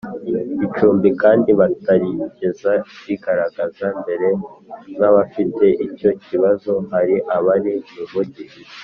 icumbi kandi batarigeze bigaragaza mbere nk abafite icyo kibazo hari abari mu Mujyi